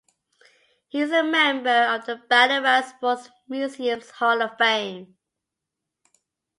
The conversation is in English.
He is a member of the Ballarat Sports Museum's Hall of Fame.